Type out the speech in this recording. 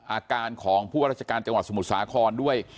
อาการของผู้ว่าราชการจังหวัดสมุทรสาครด้วย